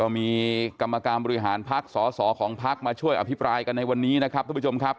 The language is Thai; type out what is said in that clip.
มีกรรมการบริหารพักษสสของพักมาช่วยอภิปรายกันในวันนี้นะครับทุกผู้ชมครับ